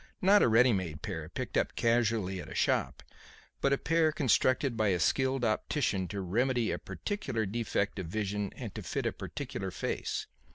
Not a ready made pair, picked up casually at a shop, but a pair constructed by a skilled optician to remedy a particular defect of vision and to fit a particular face.